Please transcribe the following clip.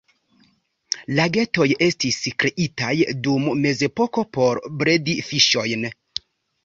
Lagetoj estis kreitaj dum mezepoko por bredi fiŝojn.